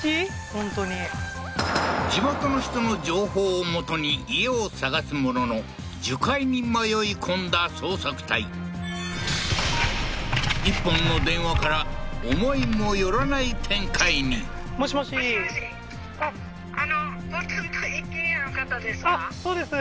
本当に地元の人の情報をもとに家を探すものの樹海に迷い込んだ捜索隊一本の電話から思いもよらない展開にもしもしもしもしそうです